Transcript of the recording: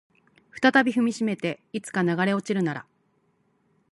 再び踏みしめていつか流れ落ちるなら